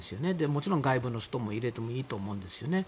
もちろん外部の人も入れてもいいと思うんですよね。